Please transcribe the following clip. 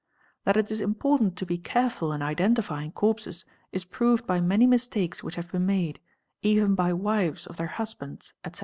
That it is important to be careful in identifying corpses is proved by many mistakes which have been made—even by wives of their husbands, etc.